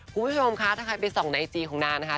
คุณผู้ชมคะถ้าใครไปส่องไอจีของนางนะคะ